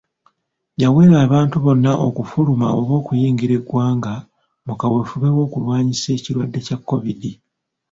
Yawera abantu bonna okufuluma oba okuyingira eggwanga mu kaweefube w'okulwanyisa ekirwadde kya COVID.